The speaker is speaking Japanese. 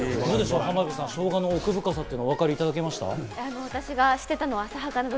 浜辺さん、しょうがの奥深さ分かりましたか？